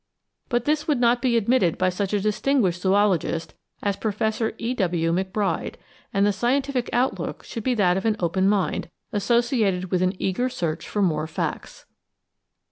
But this would not be admitted by such a distinguished zoologist as Professor E. W. MacBride; and the scientific outlook should be that of an open mind, associated with an eager search for more facts.